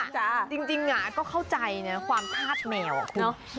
จริงอ่ะก็เข้าใจความภาพแมวของคุณ